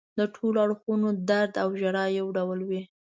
د ټولو اړخونو درد او ژړا یو ډول وي.